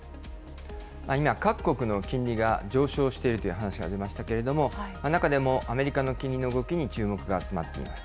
今、各国の金利が上昇しているという話がありましたけれども、中でもアメリカの金利の動きに注目が集まっています。